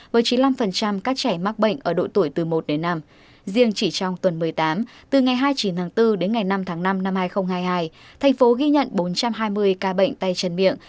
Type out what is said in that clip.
với chín mươi năm các trẻ mắc bệnh ở độ tuổi từ một đến năm riêng chỉ trong tuần một mươi tám từ ngày hai mươi chín tháng bốn đến ngày năm tháng năm năm hai nghìn hai mươi hai thành phố ghi nhận bốn trăm hai mươi ca bệnh tay chân miệng